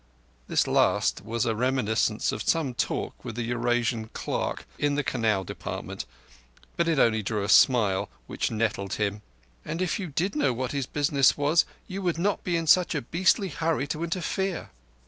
This last was a reminiscence of some talk with a Eurasian clerk in the Canal Department, but it only drew a smile, which nettled him. "And if you did know what his business was you would not be in such a beastly hurry to interfere."